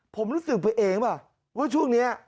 ผมรู้สึกไปเองว่าว่าช่วงนี้